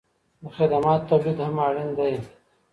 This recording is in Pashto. د خدماتو تولید هم اړین دی.